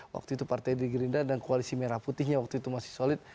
waktu itu partai di gerinda dan kualisi merah putihnya waktu itu masih sulit